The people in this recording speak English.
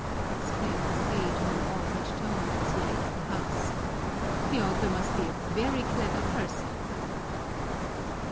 exclaimed the Sage in an altered tone as he entered the house. "The author must be a very clever person."